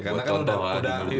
karena kan udah ke dalam ini